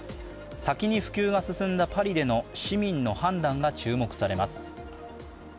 先に普及が進んだパリでの市民の判断が注目されます。